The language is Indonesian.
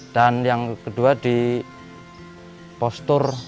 dan yang kedua di postur